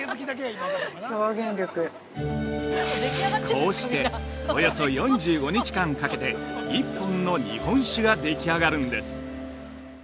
◆こうしておよそ４５日間かけて１本の日本酒ができ上がるんです。